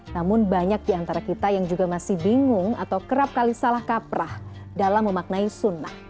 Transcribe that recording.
namun banyak di antara kita yang juga masih bingung atau kerap kali salah kaprah dalam memaknai sunnah